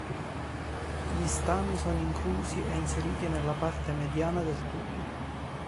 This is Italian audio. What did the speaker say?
Gli stami sono inclusi e inseriti nella parte mediana del tubo.